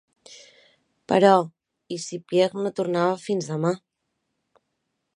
Però, i si Pierre no tornava fins demà.